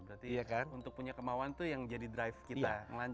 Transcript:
berarti untuk punya kemauan itu yang jadi drive kita